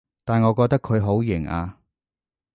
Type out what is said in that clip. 但我覺得佢好型啊